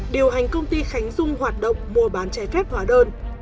điều hành công ty khánh dung hoạt động mua bán trái phép hóa đơn